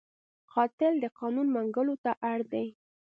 قاتل د قانون منګولو ته اړ دی